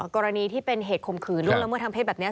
กรณีที่เป็นเหตุข่มขืนล่วงละเมิดทางเพศแบบนี้